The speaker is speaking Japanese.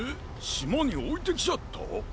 しまにおいてきちゃった？